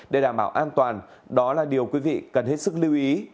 để đảm bảo an toàn đó là điều quý vị cần hết sức lưu ý